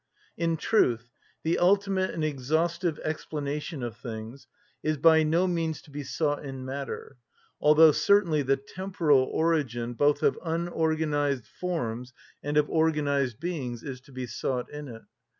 In truth, the ultimate and exhaustive explanation of things is by no means to be sought in matter, although certainly the temporal origin both of unorganised forms and of organised beings is to be sought in it.